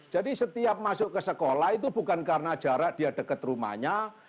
jadi setiap masuk ke sekolah itu bukan karena jarak dia dekat rumahnya